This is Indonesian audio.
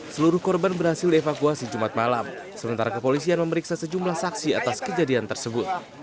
seluruh korban berhasil dievakuasi jumat malam sementara kepolisian memeriksa sejumlah saksi atas kejadian tersebut